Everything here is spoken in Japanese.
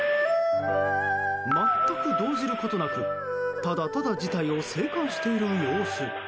全く動じることなく、ただただ事態を静観している様子。